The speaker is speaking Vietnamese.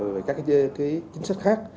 với các chính sách khác